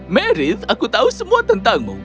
marthrift aku tahu semua tentangmu